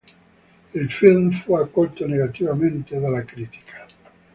Il film fu accolto negativamente dalla critica.